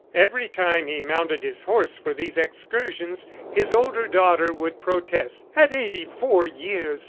Every time he mounted his horse for these excursions, his older daughter would protest. "At eighty four years!